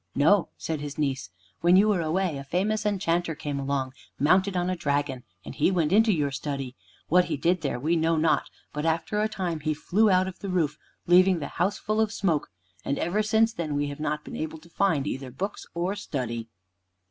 "No," said his niece. "When you were away, a famous enchanter came along, mounted on a dragon, and he went into your study. What he did there we know not. But after a time he flew out of the roof, leaving the house full of smoke, and ever since then we have not been able to find either books or study."